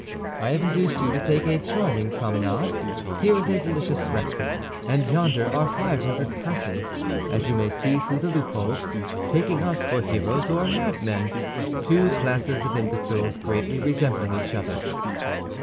"I have induced you to take a charming promenade; here is a delicious breakfast; and yonder are five hundred persons, as you may see through the loopholes, taking us for heroes or madmen—two classes of imbeciles greatly resembling each other."